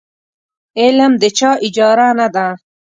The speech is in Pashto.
علم د چا اجاره نه ده.